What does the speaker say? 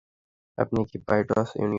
আপনি কি পাইলটস ইউনিয়নের উকিল?